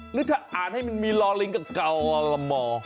หรือถ้าอ่านให้มันมีลอลิงก็เก่าอลละม